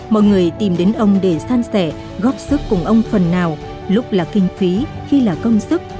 mọi người tìm đến ông để san sẻ góp sức cùng ông phần nào lúc là kinh phí khi là công sức